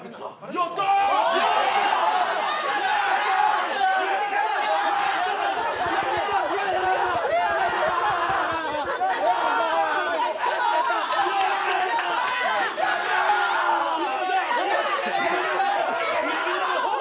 やったぞー！